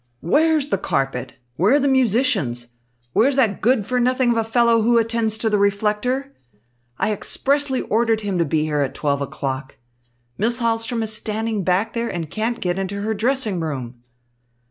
"Where's the carpet, where are the musicians, where is that good for nothing of a fellow who attends to the reflector? I expressly ordered him to be here at twelve o'clock. Miss Hahlström is standing back there and can't get into her dressing room."